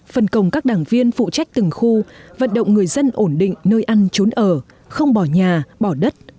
phân công các đảng viên phụ trách từng khu vận động người dân ổn định nơi ăn trốn ở không bỏ nhà bỏ đất